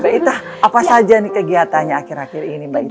mbak ita apa saja nih kegiatannya akhir akhir ini mbak ita